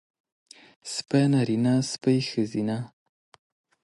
سپی نارينه سپۍ ښځينۀ